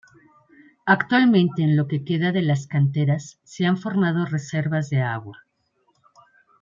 Actualmente en lo que queda de las canteras se han formado reservas de agua.